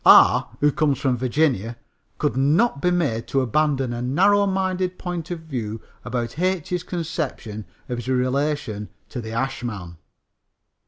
R., who comes from Virginia, could not be made to abandon a narrow minded point of view about H.'s conception of his relation to the ashman.